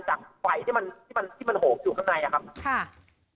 จากไฟที่มันโหกอยู่ข้างใน